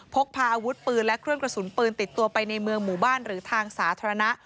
พกพาอาวุธปืนและเครื่องกระสุนปืนติดตัวไปในเมืองหมู่บ้านหรือทางสาธารณะ